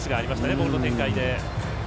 ボールの展開で。